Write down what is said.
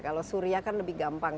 kalau surya kan lebih gampang